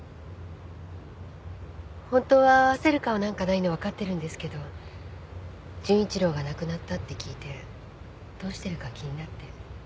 本当は合わせる顔なんかないの分かってるんですけど純一郎が亡くなったって聞いてどうしてるか気になって。